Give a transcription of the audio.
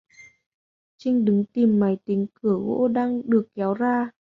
Chinh đứng Tìm máy tính cửa gỗ đang được kéo ra